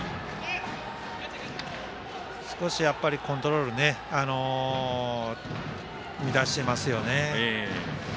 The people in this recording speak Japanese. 少しコントロール乱していますよね。